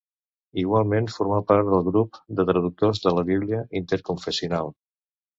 Igualment formà part del grup de traductors de la Bíblia interconfessional.